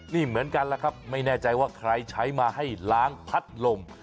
นี่เหมือนกันแหละครับไม่แน่ใจว่าใครใช้มาให้ล้างพัดลม